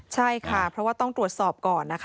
ใช่ค่ะเพราะว่าต้องตรวจสอบก่อนนะคะ